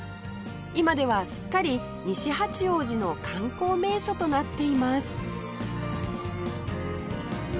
今ではすっかり西八王子の観光名所となっています